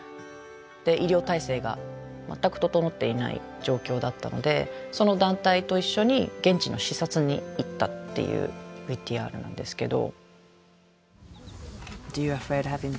で医療体制が全く整っていない状況だったのでその団体と一緒に現地の視察に行ったっていうＶＴＲなんですけど。